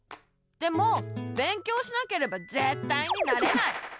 でも勉強しなければぜったいになれない！